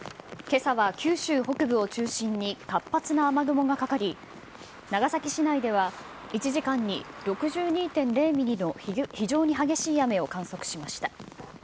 けさは九州北部を中心に活発な雨雲がかかり、長崎市内では、１時間に６２．０ミリの非常に激しい雨を観測しました。